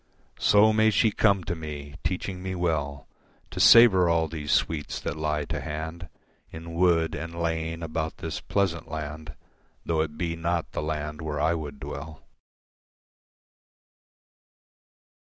So may she come to me, teaching me well To savour all these sweets that lie to hand In wood and lane about this pleasant land Though it be not the land where I would dwell.